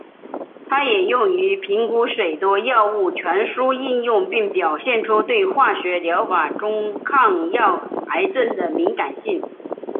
它也用于评估许多药物传输应用并表现出对化学疗法中抗药癌症的敏感性。